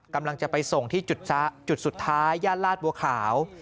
กำลังจะไปส่งที่จุดสุดท้ายย่านลาดบัวขาว